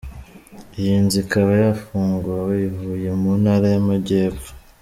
Iyi nzu ikaba yafunguwe I Huye mu Ntara y’Amajypfo.